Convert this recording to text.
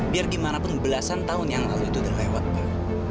biar gimana pun belasan tahun yang lalu itu terhebatkan